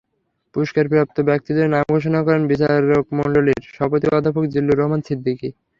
পুরস্কারপ্রাপ্ত ব্যক্তিদের নাম ঘোষণা করেন বিচারকমণ্ডলীর সভাপতি অধ্যাপক জিল্লুর রহমান সিদ্দিকী।